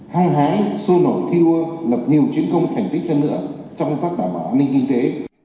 hăng hái sô nổi thi đua lập nhiều chiến công thành tích hơn nữa trong các đảm bảo an ninh kinh tế